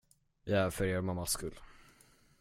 Vi är här för er mammas skull.